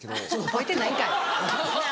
覚えてないんかい。